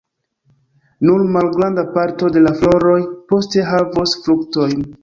Nur malgranda parto de la floroj poste havos fruktojn.